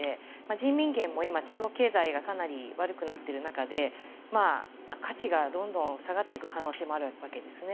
人民元も今、中国経済がかなり悪くなっている中で価値がどんどん下がっていく可能性もあるわけですね。